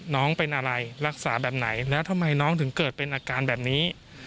น้องเป็นอะไรรักษาแบบไหนแล้วทำไมน้องถึงเกิดเป็นอาการแบบนี้